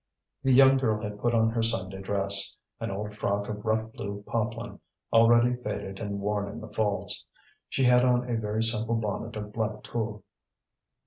The young girl had put on her Sunday dress, an old frock of rough blue poplin, already faded and worn in the folds. She had on a very simple bonnet of black tulle.